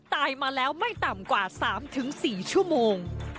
ตายมาแล้วไม่ต่ำกว่า๓๔ชั่วโมง